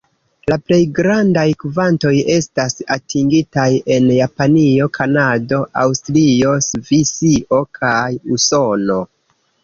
La plej grandaj kvantoj estas atingitaj en Japanio, Kanado, Aŭstrio, Svisio kaj Usono.